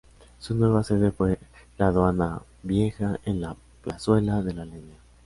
Su nueva sede fue la Aduana Vieja, en la plazuela de La Leña.